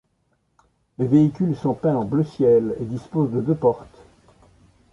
Les véhicules sont peints en bleu ciel et disposent de deux portes.